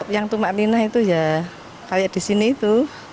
yang tumak lina itu ya kayak di sini itu